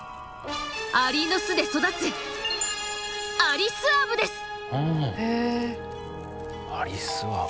アリの巣で育つアリスアブ。